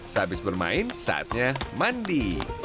mas bermain saatnya mandi